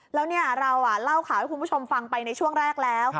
แล้วเราเล่าข่าวให้คุณผู้ชมฟังไปในช่วงแรกแล้ว